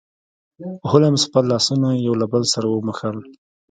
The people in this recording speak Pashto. هولمز خپل لاسونه یو له بل سره وموښل.